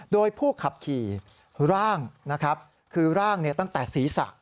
โดยผู้ขับขี่ร่างนะครับคือร่างตั้งแต่ศีรษะ